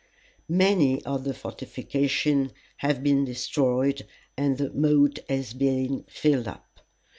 Many of the fortifications have been destroyed, and the moat has been filled up.